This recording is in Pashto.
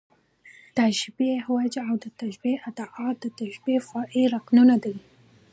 د تشبېه وجه او د تشبېه ادات، د تشبېه فرعي رکنونه دي.